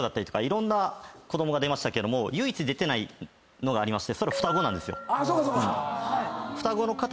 いろんな子供が出ましたけども唯一出てないのがありまして。